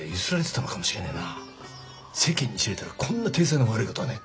世間に知れたらこんな体裁の悪いことはない。